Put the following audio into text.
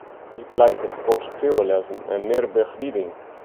Hy pleitet foar skriuwlessen en mear begelieding.